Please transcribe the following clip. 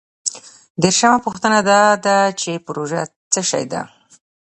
دیرشمه پوښتنه دا ده چې پروژه څه شی ده؟